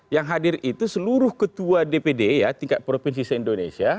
yang hadir itu seluruh ketua dpd ya tingkat provinsi se indonesia